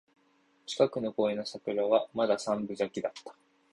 近くの公園の桜はまだ三分咲きだった